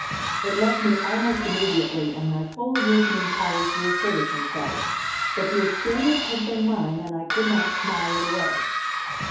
It left me almost immediately and my full reasoning powers reasserted themselves; but the experience had been mine and I could not smile it away.